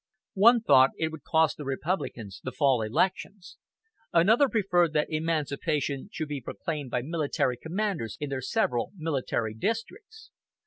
One thought it would cost the Republicans the fall elections. Another preferred that emancipation should be proclaimed by military commanders in their several military districts.